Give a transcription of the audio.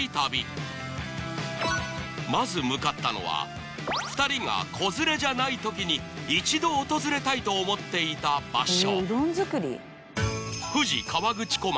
ママ友のまず向かったのは２人が子連れじゃない時に一度訪れたいと思っていた場所